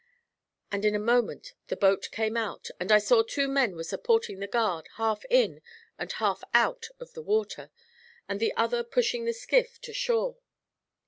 And in a moment the boat came out, and I saw two men were supporting the guard, half in and half out of the water, and the other pushing the skiff to shore.